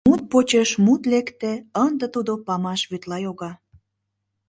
Мут почеш мут лекте, ынде тудо памаш вӱдла йога.